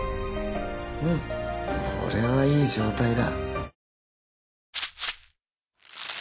うんこれはいい状態だ。